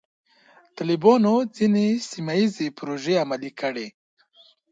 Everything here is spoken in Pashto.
طالبانو ځینې سیمه ییزې پروژې عملي کړې.